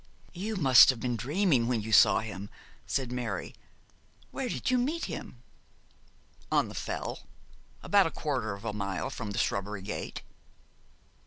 'You must have been dreaming when you saw him,' said Mary. 'Where did you meet him?' 'On the Fell, about a quarter of a mile from the shrubbery gate.'